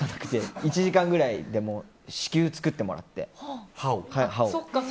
１時間くらいで至急作ってもらって、歯を。